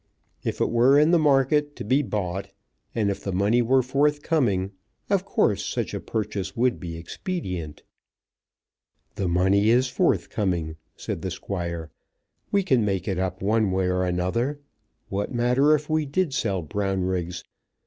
If it were in the market, to be bought, and if the money were forthcoming, of course such a purchase would be expedient. "The money is forthcoming," said the Squire. "We can make it up one way or another. What matter if we did sell Brownriggs?